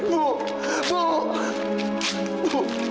bu bu jangan bu